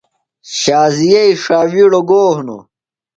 شازیئ ݜاوِیڑوۡ گو ہِنوۡ؟